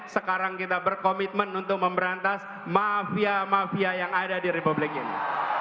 sekarang kita berkomitmen untuk memberantas mafia mafia yang ada di republik ini